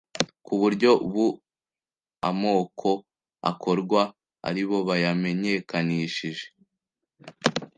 ku buryo ubu amako akorwa ari bo bayamenyekanishije